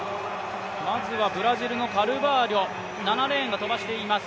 まずはブラジルのカルバーリョ、７レーンが飛ばしています。